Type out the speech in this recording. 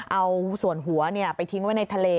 เอาส่วนหัวไปทิ้งไว้ในทะเล